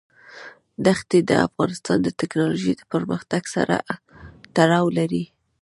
دښتې د افغانستان د تکنالوژۍ د پرمختګ سره تړاو لري.